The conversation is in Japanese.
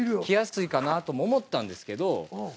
着やすいかなとも思ったんですけど。